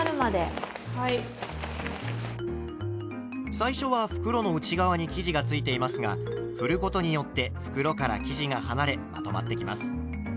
最初は袋の内側に生地がついていますがふることによって袋から生地が離れまとまってきます。